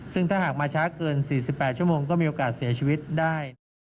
ซึ่งถ้าหากมาช้าเกิน๔๘ชั่วโมงก็มีโอกาสเสียชีวิตได้นะครับ